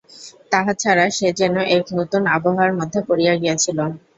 তাহা ছাড়া, সে যেন এক নূতন আবহাওয়ার মধ্যে পড়িয়া গিয়াছিল।